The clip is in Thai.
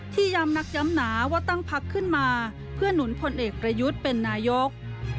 ย้ำนักย้ำหนาว่าตั้งพักขึ้นมาเพื่อหนุนพลเอกประยุทธ์เป็นนายก